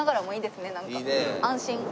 安心。